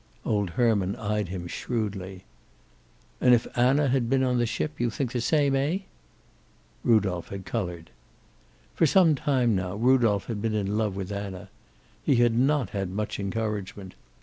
Old Herman eyed him shrewdly. "And if Anna had been on the ship, you think the same, eh?" Rudolph had colored. For some time now Rudolph had been in love with Anna. He had not had much encouragement.